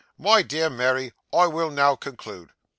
My dear Mary I will now conclude."